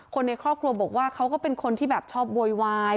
คนในครอบครัวบอกว่าเขาก็เป็นคนที่แบบชอบโวยวาย